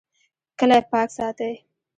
کلی پاک ساتئ